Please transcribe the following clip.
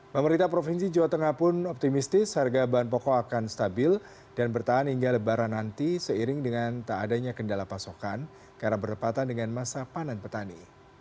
pemerintah provinsi jawa tengah pun optimistis harga bahan pokok akan stabil dan bertahan hingga lebaran nanti seiring dengan tak adanya kendala pasokan karena berdepatan dengan masa panen petani